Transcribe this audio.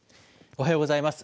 おはようございます。